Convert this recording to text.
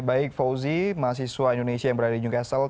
baik fauzi mahasiswa indonesia yang berada di newcastle